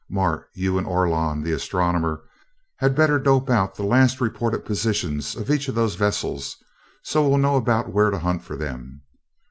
Mart, you and Orlon, the astronomer, had better dope out the last reported positions of each of those vessels, so we'll know about where to hunt for them.